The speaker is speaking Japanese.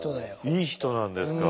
いい人なんですか。